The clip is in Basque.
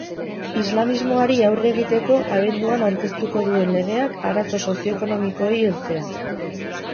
Islamismoari aurre egiteko abenduan aurkeztuko duen legeak, arazo soziekonomikoei heltzea.